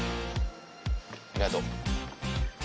ありがとう。